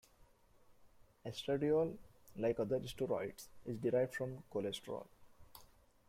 Estradiol, like other steroids, is derived from cholesterol.